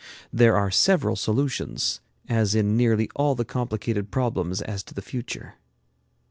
There are several solutions, as in nearly all the complicated problems as to the future.